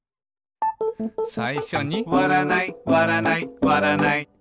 さいしょに「わらないわらないわらない」